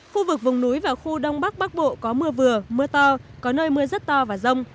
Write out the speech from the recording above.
khu vực vùng núi và khu đông bắc bắc bộ có mưa vừa mưa to có nơi mưa rất to và rông